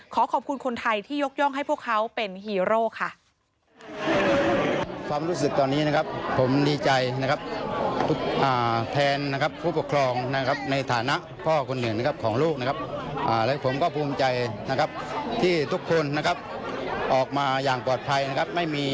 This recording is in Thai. ขอขอบคุณคนไทยที่ยกย่องให้พวกเขาเป็นฮีโร่ค่ะ